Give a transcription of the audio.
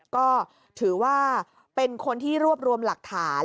ก็ถือว่าเป็นคนที่รวบรวมหลักฐาน